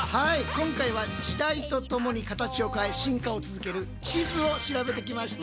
今回は時代とともに形を変え進化を続ける「地図」を調べてきました！